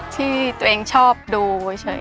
ที่ตัวเองชอบดูเฉย